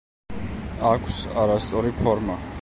აქვს არასწორი ფორმა.